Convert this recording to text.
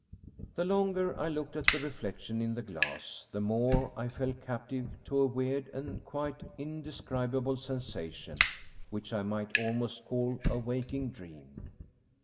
The longer I looked at the reflection in the glass, the more I fell captive to a weird and quite indescribable sensation, which I might almost call a waking dream.